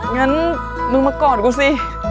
งั้นมึงมากอดกูสิ